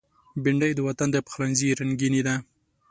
بېنډۍ د وطن د پخلنځي رنگیني ده